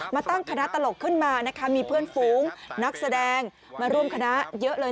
มาตั้งคณะตลกขึ้นมานะคะมีเพื่อนฝูงนักแสดงมาร่วมคณะเยอะเลย